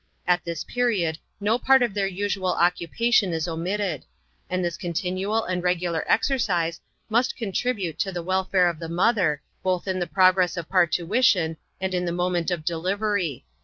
At this period no part of their usual occupation is. omitted; and this continual and regular exercise must contribute to the welfare of the mother, both in the progress of partuition and in the moment of delivery.